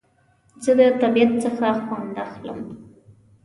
زه د طبیعت څخه خوند اخلم